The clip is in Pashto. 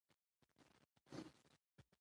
مېوې د افغانستان د صادراتو برخه ده.